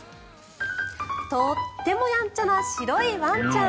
とってもやんちゃな白いワンちゃん。